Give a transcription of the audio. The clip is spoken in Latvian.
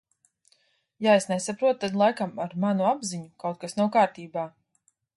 Ja es nesaprotu, tad laikam ar manu apziņu kaut kas nav kārtībā.